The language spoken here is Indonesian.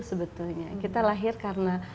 sebetulnya kita lahir karena